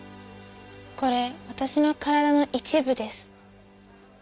これわたしの体の一部です。